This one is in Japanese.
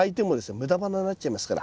無駄花になっちゃいますから。